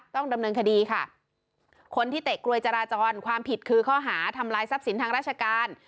ต้องดำเนินคดีค่ะคนที่เตะกลวยจราจรความผิดคือข้อหาทำลายทรัพย์สินทางราชการ